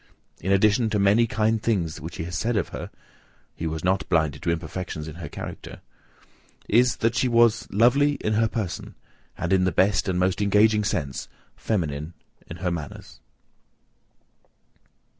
In addition to many kind things he has said of her, (he was not blinded to imperfections in her character) is, that she was "Lovely in her person, and in the best and most engaging sense feminine in her manners."